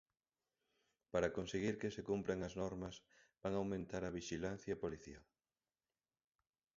Para conseguir que se cumpran as normas van aumentar a vixilancia policial.